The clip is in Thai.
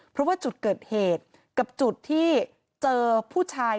เพราะว่าจุดเกิดเหตุกับจุดที่เจอผู้ชาย